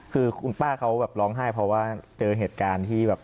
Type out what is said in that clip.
คือคุณป้าเขาแบบร้องไห้เพราะว่าเจอเหตุการณ์ที่แบบ